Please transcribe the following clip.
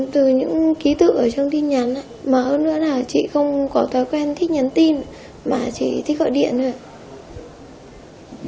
từ những ký tự ở trong tin nhắn mà hơn nữa là chị không có thói quen thích nhắn tin mà chị thích gọi điện thôi